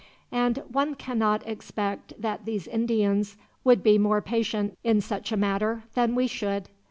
And one cannot expect that these Indians would be more patient, in such a matter, than we should.